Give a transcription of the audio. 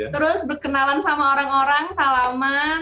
terus berkenalan sama orang orang salaman